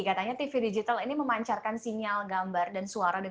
katanya tv digital ini memancarkan sinyal gambar dan suara